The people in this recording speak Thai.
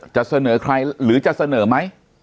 จะเสนอใครหรือจะเสนอไหม